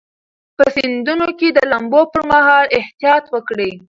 په سیندونو کې د لامبو پر مهال احتیاط وکړئ.